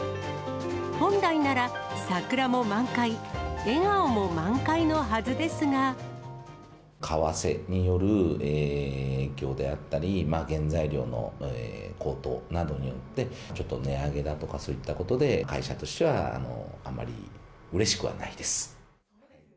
本来なら、桜も満開、為替による影響であったり、原材料の高騰などによって、ちょっと値上げだとか、そういったことで会社としてはあまりうれしくはないです。